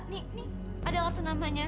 ini ini ada kartu namanya